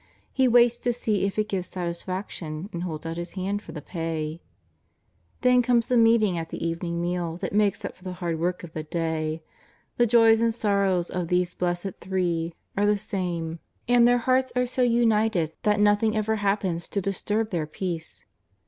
He waits to see if it gives satisfaction, and holds out His hand for the pay. Then comes the meeting at the evening meal that makes up for the hard work of the day. The joys and Borrows of these blessed Three are the same, and their 98 JESUS OF NAZARETH. 99 hearts are so united that nothing ever happens to dis turb their peace.